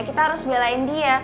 kita harus belain dia